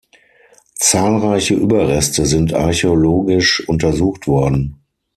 Zahlreiche Überreste sind archäologisch untersucht worden.